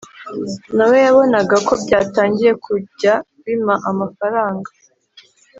na we yabonaga ko byatangiye kujya bima amafaranga